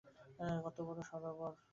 কত্ত বড় সরোবর!